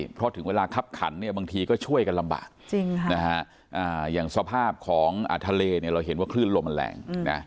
เพราะถึงเวลาคับขันเนี่ยบางทีก็ช่วยกันลำบากอย่างสภาพของทะเลเราเห็นว่าคลื่นลมมันแรง